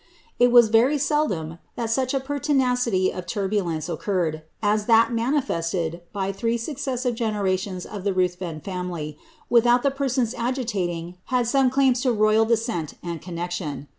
It was very seldom that such a jiertiiiaciiv of turbulence orcurm!. s' that manifost'dl by diree successive geiieroi'ious of the P.iithvtn ianuly, without ibe persons aoitating had some claims to roval descent and <■'"■ nexion.